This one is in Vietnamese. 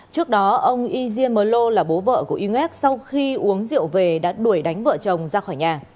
trước đó ông yji mờ lô là bố vợ của irek sau khi uống rượu về đã đuổi đánh vợ chồng ra khỏi nhà